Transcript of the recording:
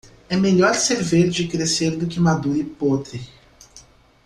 É melhor ser verde e crescer do que maduro e podre.